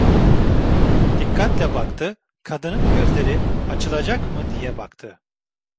Dikkatle baktı, kadının gözleri açılacak mı diye baktı.